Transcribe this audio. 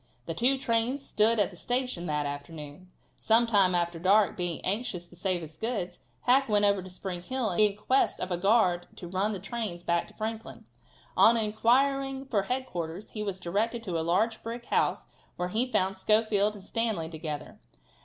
The two trains stood at the station that afternoon. Some time after dark, being anxious to save his goods, Hack went over to Spring Hill in quest of a guard to run the trains back to Franklin. On inquiring for headquarters he was directed to a large brick house where he found Schofield and Stanley together.